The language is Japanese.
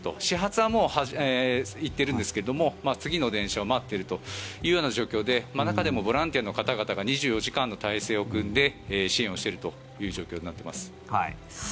始発はもう行っているんですが次の電車を待っているというような状況で中でもボランティアの方々が２４時間の態勢を組んで支援をしているという状況になっています。